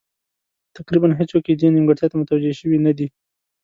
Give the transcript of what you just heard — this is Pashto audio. تقریبا هېڅوک یې دې نیمګړتیا ته متوجه شوي نه دي.